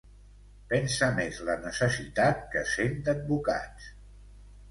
Pensa més la necessitat que cent advocats.